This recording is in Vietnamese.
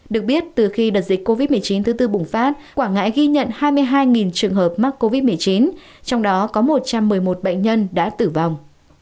được biết từ khi đợt dịch covid một mươi chín thứ tư bùng phát quảng ngãi ghi nhận hai mươi hai trường hợp mắc covid một mươi chín trong đó có một trăm một mươi một bệnh nhân đã tử vong